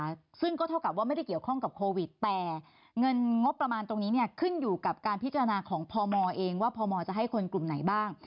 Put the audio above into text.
ซึ่งก็เท่ากับว่าไม่ได้เกี่ยวข้องกับโควิดแต่เงินงบประมาณตรงนี้เนี่ยขึ้นอยู่กับการพิจารณาของพมเองว่าพมจะให้คนกลุ่มไหนบ้าง